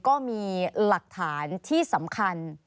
ก็มีหลักฐานที่สำคัญ